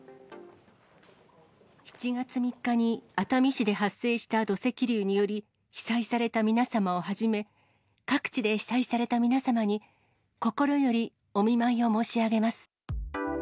７月３日に熱海市で発生した土石流により被災された皆様をはじめ、各地で被災された皆様に心よりお見舞いを申し上げます。